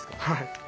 はい。